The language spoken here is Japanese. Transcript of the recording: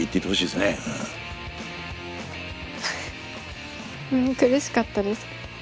フッ苦しかったです。